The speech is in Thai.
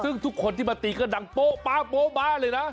ซึ่งทุกคนที่มาตีก็ดังโป๊าบ๊ะเลยนะ